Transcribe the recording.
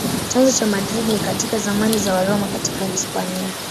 Chanzo cha Madrid ni katika zamani za Waroma katika Hispania.